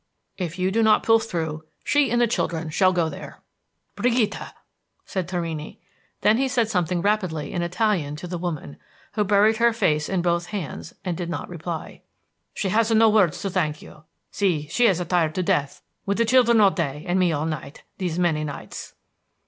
"If you do not pull through, she and the children shall go there." "Brigida!" called Torrini; then he said something rapidly in Italian to the woman, who buried her face in both hands, and did not reply. "She has no words to thank you. See, she is tired to death, with the children all day and me all night, these many nights."